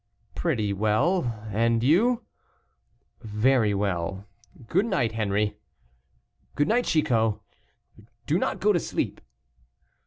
"Pretty well; and you?" "Very well; good night, Henri." "Good night, Chicot; do not go to sleep."